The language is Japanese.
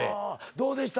どうでした？